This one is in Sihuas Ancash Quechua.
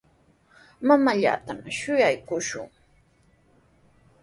Mamaallatana shuyaakushun.